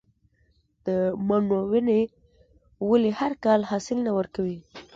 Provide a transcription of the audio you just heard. د مڼو ونې ولې هر کال حاصل نه ورکوي؟